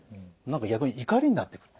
何か逆に怒りになってくる。